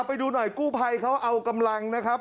ไปดูหน่อยกู้ภัยเขาเอากำลังนะครับ